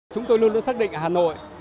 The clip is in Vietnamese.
chúng tôi luôn luôn xác định hà nội